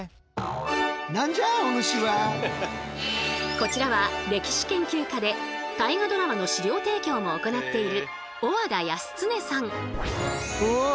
こちらは歴史研究家で「大河ドラマ」の資料提供も行っている